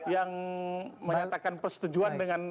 yang menyatakan persetujuan